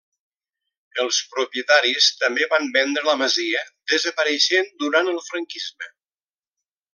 Els propietaris també van vendre la masia, desapareixent durant el franquisme.